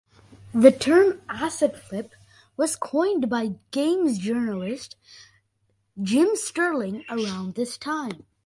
The term "asset flip" was coined by games journalist Jim Sterling around this time.